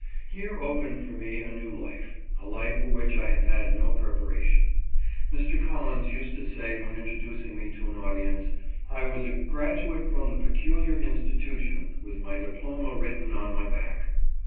Here opened for me a new life — a life for which I had had no preparation. Mr. Collins used to say when intro ducing me to an audience, I was a " graduate from the peculiar institution, with my diploma written on my back."